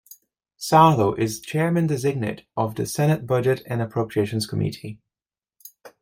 Sarlo is Chairman-designate of the Senate Budget and Appropriations Committee.